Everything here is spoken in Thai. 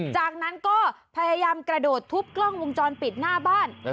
จากนั้นก็พยายามกระโดดทุบกล้องวงจรปิดหน้าบ้าน